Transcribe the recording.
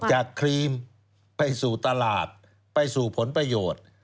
ครีมไปสู่ตลาดไปสู่ผลประโยชน์